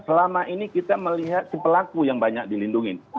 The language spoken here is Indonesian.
selama ini kita melihat si pelaku yang banyak dilindungi